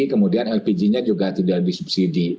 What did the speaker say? kemudian lpg nya juga tidak disubsidi